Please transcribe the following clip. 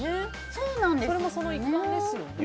それもその一環ですよね。